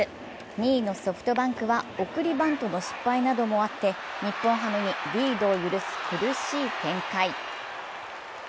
２位のソフトバンクは送りバントの失敗などもあって、日本ハムにリードを許す苦しい展開。